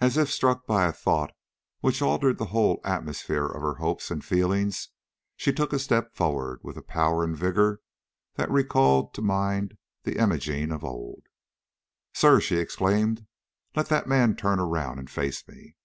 As if struck by a thought which altered the whole atmosphere of her hopes and feelings, she took a step forward with a power and vigor that recalled to mind the Imogene of old. "Sir," she exclaimed, "let that man turn around and face me!"